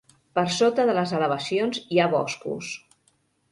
Per sota de les elevacions hi ha boscos.